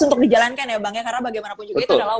untuk dijalankan ya bang ya karena bagaimanapun juga itu adalah